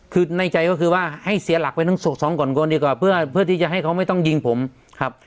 คือในใจก็คือว่าให้เสียหลักไปทั้งสองก่อนก่อนดีกว่าเพื่อที่จะให้เขาไม่ต้องยิงผมครับ